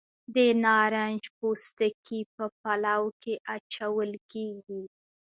د نارنج پوستکي په پلو کې اچول کیږي.